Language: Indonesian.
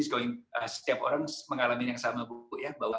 setiap orang mengalami yang sama bu ya